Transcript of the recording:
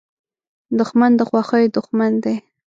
دښمن د خوښیو دوښمن دی